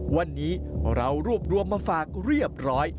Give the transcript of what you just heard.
วันนี้เรารวบรวมมาฝากเรียบร้อย